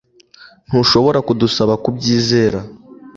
Ntushobora kudusaba kubyizera